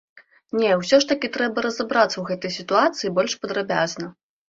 Не, усё ж такі трэба разабрацца ў гэтай сітуацыі больш падрабязна.